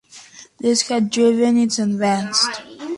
This has driven its advance.